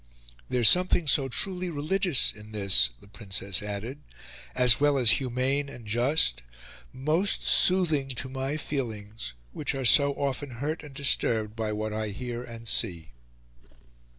There is something so truly religious in this," the Princess added, "as well as humane and just, most soothing to my feelings which are so often hurt and disturbed by what I hear and see."